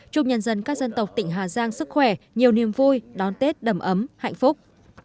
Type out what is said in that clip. chúc nhân dân các dân tộc tỉnh hà giang sức khỏe nhiều niềm vui đón tết đầm ấm hạnh phúc